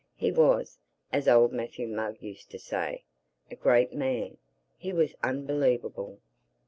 He was, as old Matthew Mugg used to say, a great man. He was unbelievable.